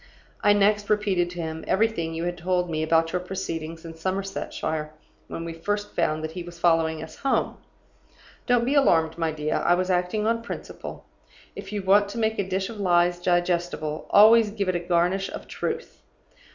I next repeated to him everything you had told me about your proceedings in Somersetshire, when we first found that he was following us home. Don't be alarmed my dear I was acting on principle. If you want to make a dish of lies digestible, always give it a garnish of truth.